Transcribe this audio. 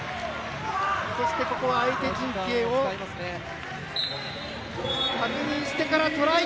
そして、ここは相手陣形を確認してからトライ。